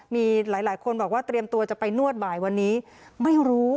มีหลายคนบอกว่าเตรียมตัวจะไปนวดบ่ายวันนี้ไม่รู้